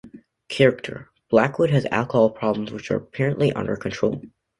Character: Blackwood has alcohol problems which are apparently under control.